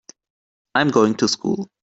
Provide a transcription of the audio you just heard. I'm going to school.